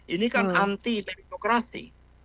ini kan anti meritokrasi